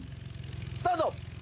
スタート！